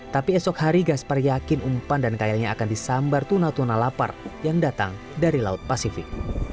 tapi esok hari gaspar yakin umpan dan kayanya akan disambar tuna tuna lapar yang datang dari laut pasifik